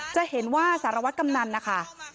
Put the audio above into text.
จะเห็นว่าสารวัตรกำนันนะคะ